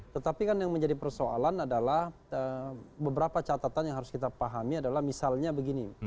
tetapi kan yang menjadi persoalan adalah beberapa catatan yang harus kita pahami adalah misalnya begini